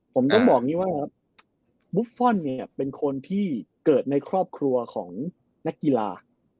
ผมต้องบอกอย่างนี้ว่าบุฟฟอลเนี่ยเป็นคนที่เกิดในครอบครัวของนักกีฬา